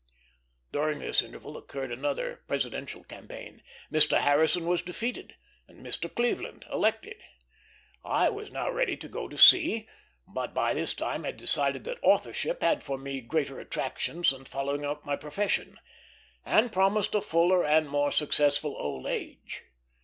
During this interval occurred another presidential campaign. Mr. Harrison was defeated and Mr. Cleveland elected. I was now ready to go to sea, but by this time had decided that authorship had for me greater attractions than following up my profession, and promised a fuller and more successful old age.